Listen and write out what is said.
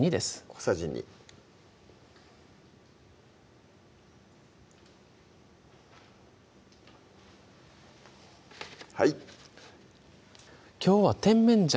小さじ２はいきょうは甜麺醤